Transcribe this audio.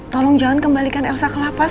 tolong jangan kembalikan elsa ke lapas